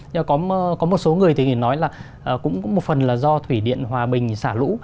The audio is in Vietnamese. nhưng mà có một số người thì nói là cũng một phần là do thủy điện hòa bình xả lũ